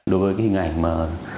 đối với hình ảnh mà